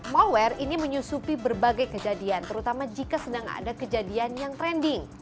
malware ini menyusupi berbagai kejadian terutama jika sedang ada kejadian yang trending